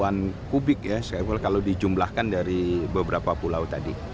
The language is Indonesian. enam puluh an kubik ya kalau dijumlahkan dari beberapa pulau tadi